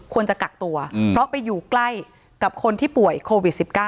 ควรจะกักตัวเพราะไปอยู่ใกล้กับคนที่ป่วยโควิด๑๙